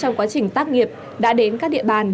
trong quá trình tác nghiệp đã đến các địa bàn